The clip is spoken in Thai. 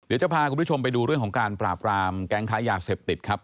เดี๋ยวจะพาคุณผู้ชมไปดูเรื่องของการปราบรามแก๊งค้ายาเสพติดครับ